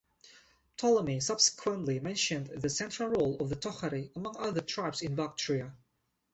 Ptolemy subsequently mentioned the central role of the Tokhari among other tribes in Bactria.